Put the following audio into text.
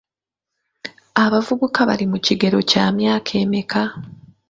Abavubuka bali mu kigero kya myaka emeka?